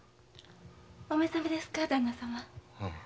お目覚めですか旦那様？